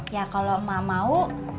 ya kalau emak mau